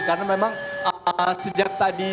karena memang sejak tadi